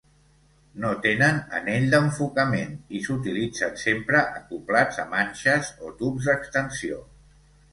No tenen anell d'enfocament i s'utilitzen sempre acoblats a manxes o tubs d'extensió.